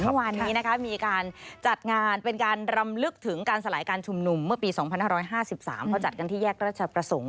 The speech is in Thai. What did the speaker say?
เมื่อวานนี้นะคะมีการจัดงานเป็นการรำลึกถึงการสลายการชุมนุมเมื่อปี๒๕๕๓เขาจัดกันที่แยกราชประสงค์